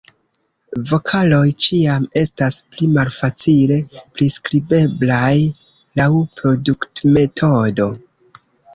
Vokaloj ĉiam estas pli malfacile priskribeblaj laŭ produktmetodo.